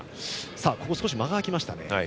ここは少し間が空きました。